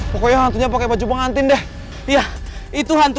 pokoknya hantunya pakai baju bang antin deh